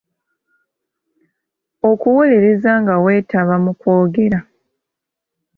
Okuwuliriza nga weetaba mu kwogera.